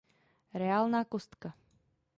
Reálná kostka